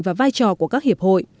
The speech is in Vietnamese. và vai trò của các hiệp hội